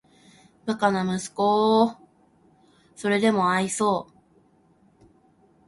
バカな息子をーーーーそれでも愛そう・・・